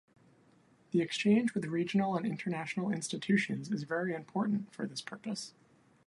The exchange with regional and international institutions is very important for this purpose.